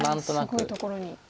すごいところに。